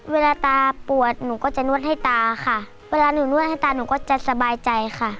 เวลาตาปวดหนูก็จะนวดให้ตาค่ะเวลาหนูนวดให้ตาหนูก็จะสบายใจค่ะ